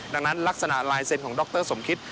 ดังนั้นลักษณะลายเซ็นต์ของดรสมคิต